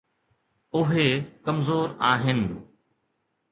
اهي ڪمزور آهن.